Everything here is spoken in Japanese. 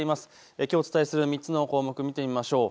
きょうお伝えする３つの項目、見てみましょう。